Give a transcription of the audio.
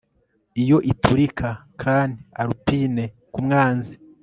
Iyo iturika Clan Alpine kumwanzi